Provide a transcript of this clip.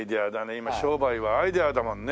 今商売はアイデアだもんね。